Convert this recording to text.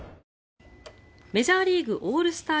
メジャーリーグオールスター